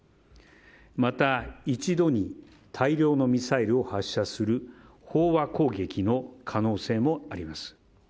また、一度に大量のミサイルを発射する飽和攻撃の可能性もあります。